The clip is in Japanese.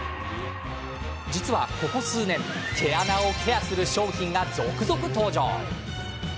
実は、ここ数年毛穴をケアする商品が続々登場。